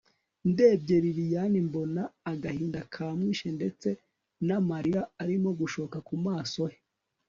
ndebye liliane mbona agahinda kamwishe ndetse namarira arimo gushoka kumaso he